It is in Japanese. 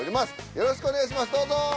よろしくお願いしますどうぞ。